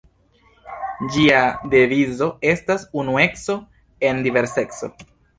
Ĝia devizo estas 'unueco en diverseco.